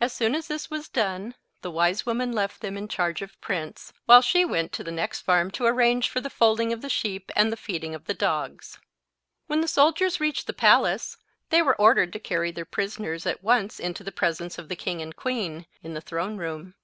As soon as this was done, the wise woman left them in charge of Prince, while she went to the next farm to arrange for the folding of the sheep and the feeding of the dogs. When the soldiers reached the palace, they were ordered to carry their prisoners at once into the presence of the king and queen, in the throne room.